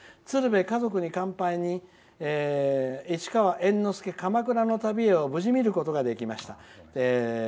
「家族に乾杯」に「市川猿之助鎌倉の旅へ」を無事に見ることができました。